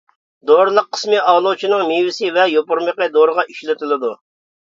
دورىلىق قىسمى ئالۇچىنىڭ مېۋىسى ۋە يوپۇرمىقى دورىغا ئىشلىتىلىدۇ.